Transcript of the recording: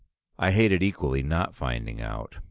I hated equally not finding out.